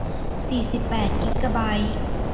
สี่สิบแปดกิกะไบต์